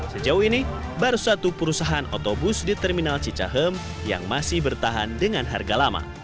sejauh ini baru satu perusahaan otobus di terminal cicahem yang masih bertahan dengan harga lama